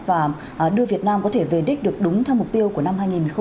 và đưa việt nam có thể về đích được đúng theo mục tiêu của năm hai nghìn hai mươi